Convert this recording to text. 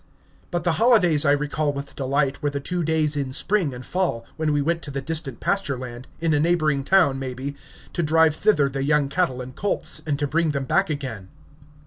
But the holidays I recall with delight were the two days in spring and fall, when we went to the distant pasture land, in a neighboring town, maybe, to drive thither the young cattle and colts, and to bring them back again.